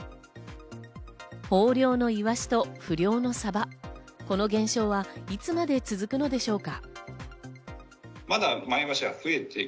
豊漁のイワシと不漁のサバ、この現象はいつまで続くのでしょうか？